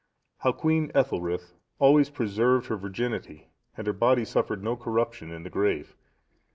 How Queen Ethelthryth always preserved her virginity, and her body suffered no corruption in the grave.